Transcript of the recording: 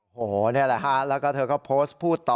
โอ้โหนี่แหละฮะแล้วก็เธอก็โพสต์พูดต่อ